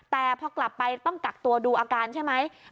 แต่พอกลับไปต้องกักตัวดูอาการใช่ไหม